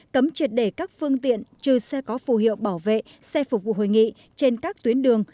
cấm triệt để các phương tiện trừ xe có phù hiệu bảo vệ xe phục vụ hội nghị trên các tuyến đường